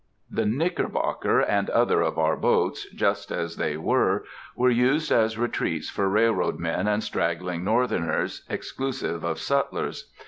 The Knickerbocker, and other of our boats, just as they were, were used as retreats for railroad men and straggling Northerners, exclusive of sutlers.